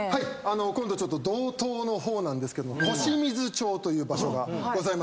今度道東の方なんですけども小清水町という場所がございます。